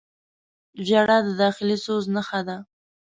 • ژړا د داخلي سوز نښه ده.